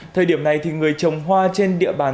thời điểm này thì người trồng hoa trên địa bàn đà nẵng